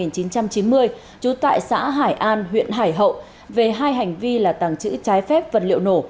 trần văn trường chú tại xã hải an huyện hải hậu về hai hành vi là tàng trữ trái phép vật liệu nổ